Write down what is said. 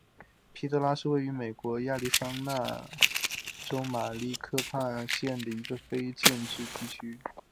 皮德拉是位于美国亚利桑那州马里科帕县的一个非建制地区。